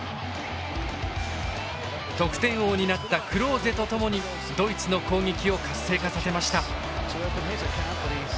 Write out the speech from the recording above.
得点王になったクローゼとともにドイツの攻撃を活性化させました。